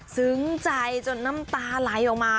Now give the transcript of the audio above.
ซึ้งใจจนน้ำตาไหลออกมา